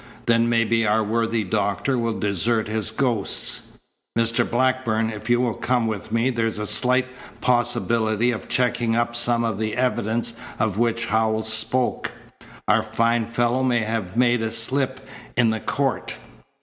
Then maybe our worthy doctor will desert his ghosts. Mr. Blackburn, if you will come with me there's a slight possibility of checking up some of the evidence of which Howells spoke. Our fine fellow may have made a slip in the court."